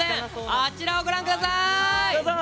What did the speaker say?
あちらをご覧ください。